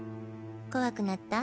怖くなった？